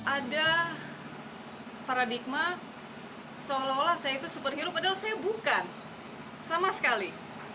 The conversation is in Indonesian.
ada paradigma seolah olah saya itu superhero padahal saya bukan sama sekali